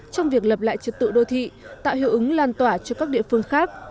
trong việc lập lại trật tự đô thị tạo hiệu ứng lan tỏa cho các địa phương khác